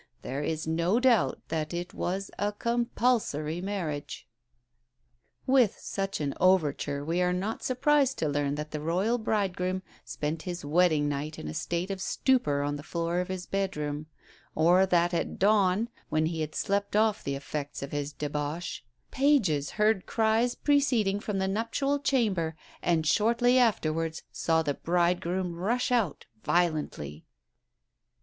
There is no doubt that it was a compulsory marriage." With such an overture, we are not surprised to learn that the Royal bridegroom spent his wedding night in a state of stupor on the floor of his bedroom; or that at dawn, when he had slept off the effects of his debauch, "pages heard cries proceeding from the nuptial chamber, and shortly afterwards saw the bridegroom rush out violently."